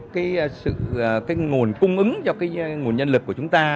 cái nguồn cung ứng cho cái nguồn nhân lực của chúng ta